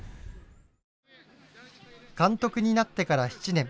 監督になってから７年。